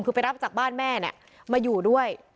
คือไปรับจากบ้านแม่เนี่ยมาอยู่ด้วย